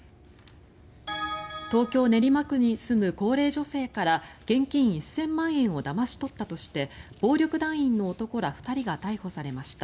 東京・練馬区に住む高齢女性から現金１０００万円をだまし取ったとして暴力団員の男ら２人が逮捕されました。